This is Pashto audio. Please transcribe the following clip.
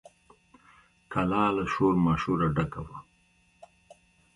کلا له شور ماشوره ډکه وه.